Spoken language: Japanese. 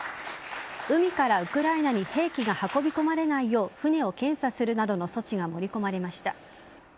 海からウクライナに兵器が運び込まれないよう船を検査するなどの措置が盛り込まれました。